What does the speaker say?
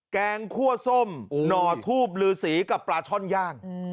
แกงคั่วส้มหน่อทูบลือสีกับปลาช่อนย่าง